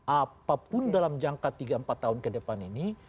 apapun dalam jangka tiga empat tahun ke depan ini